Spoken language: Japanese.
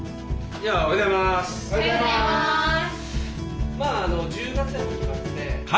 おはようございます。